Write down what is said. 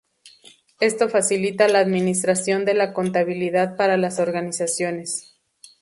Esto facilita la administración de la contabilidad para las organizaciones.